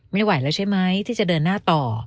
ไม่ไหวแล้วใช่ไหมที่จะเดินหน้าต่อ